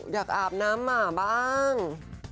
อาบน้ำหมาบ้าง